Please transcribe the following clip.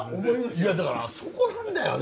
いやだからそこなんだよだから！